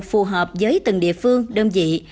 phù hợp với từng địa phương đơn vị